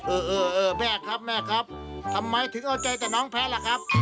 เออแม่ครับแม่ทำไมถึงเอาใจแต่น้องแพ้หรือครับ